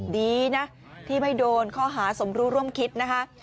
ดีนะที่ไม่โดนข้อหาสมรู้ร่วมคิดนะคะ